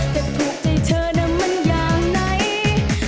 จะถูกใจเธอนะมันอย่างไหน